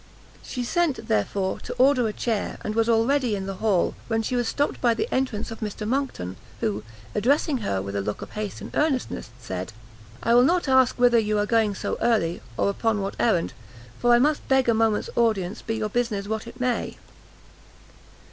She sent, therefore, to order a chair, and was already in the hall, when she was stopt by the entrance of Mr Monckton, who, addressing her with a look of haste and earnestness, said, "I will not ask whither you are going so early, or upon what errand, for I must beg a moment's audience, be your business what it may."